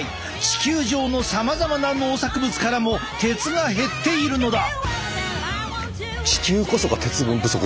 地球上のさまざまな農作物からも鉄が減っているのだ！